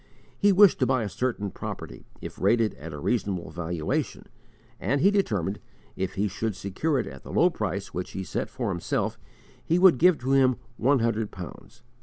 He wished to buy a certain property if rated at a reasonable valuation; and he determined, if he should secure it at the low price which he set for himself, he would give to him one hundred pounds.